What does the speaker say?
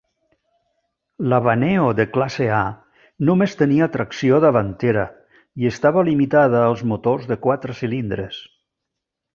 La Vaneo de classe A només tenia tracció davantera i estava limitada als motors de quatre cilindres.